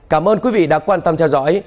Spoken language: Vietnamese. cảm ơn quý vị đã quan tâm theo dõi